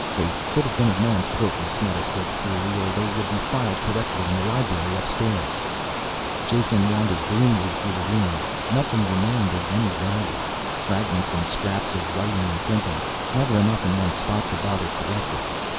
"They could have been of no importance," Meta said coolly, "or they would be filed correctly in the library upstairs." Jason wandered gloomily through the rooms. Nothing remained of any value. Fragments and scraps of writing and printing. Never enough in one spot to bother collecting.